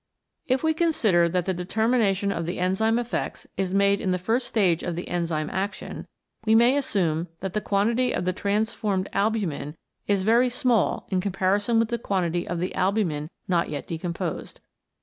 If we consider that the deter mination of the enzyme effects is made in the first stage of the enzyme action, we may assume that the quantity of the transformed albumin is very small in comparison with the quantity of the albumin not yet decomposed.